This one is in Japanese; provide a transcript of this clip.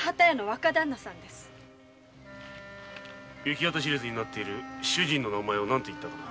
行方知れずになっている主人の名前は何といったかな？